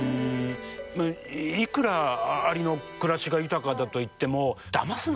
いくらアリの暮らしが豊かだといってもだますのはでもどうなのかな？